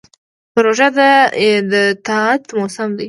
روژه د طاعت موسم دی.